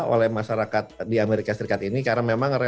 oleh masyarakat di amerika serikat ini karena memang